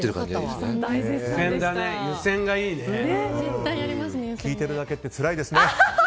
聞いてるだけってつらいですね。